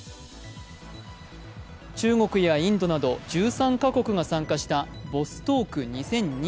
中国やインドなど１３か国が参加したボストーク２０２２。